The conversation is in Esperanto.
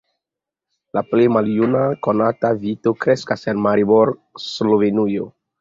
La plej maljuna konata vito kreskas en Maribor, Slovenujo.